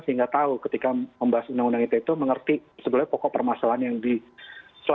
sehingga tahu ketika membahas undang undang ete itu mengerti sebenarnya pokok permasalahan yang selama ini rame di media itu seperti apa